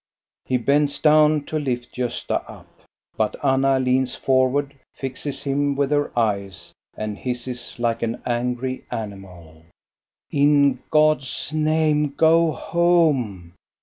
He bends down to lift Gosta up; but Anna leans forward, fixes him with her eyes, and hisses like an angry animal: — "In God's name, go home!